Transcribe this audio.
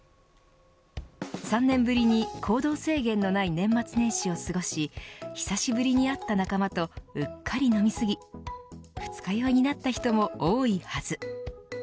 ３年ぶりに行動制限のない年末年始を過ごし久しぶりに会った仲間とうっかり飲みすぎ二日酔いになった人も多いはず。